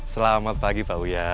selamat pagi pak uyar